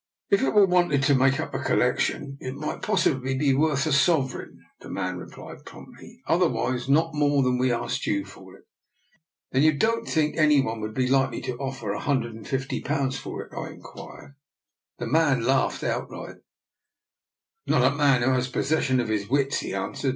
" If it were wanted to make up a collec tion it might possibly be worth a sovereign," the man replied promptly. " Otherwise not more than we asked you for it." " Then you don't think any one would be likely to offer a hundred pounds for it? " I inquired. 1 8 DR. NIKOLA'S EXPERIMENT. The man laughed outright. Not a man who had possession of his wits," he answered.